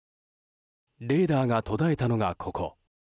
レーダーが途絶えたのが、ここ。